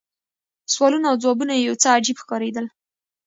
سوالونه او ځوابونه یې یو څه عجیب ښکارېدل.